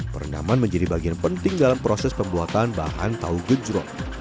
perendaman menjadi bagian penting dalam proses pembuatan bahan tahu gejrot